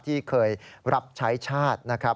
ที่เคยรับใช้ชาตินะครับ